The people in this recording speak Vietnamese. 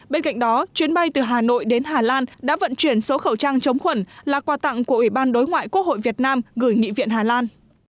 bên cạnh đó chuyến bay từ hà nội đến hà lan đã vận chuyển số khẩu trang chống khuẩn là quà tặng của ủy ban đối ngoại quốc hội việt nam gửi nghị viện hà lan